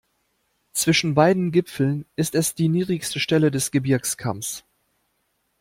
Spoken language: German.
Zwischen beiden Gipfeln ist es die niedrigste Stelle des Gebirgskamms.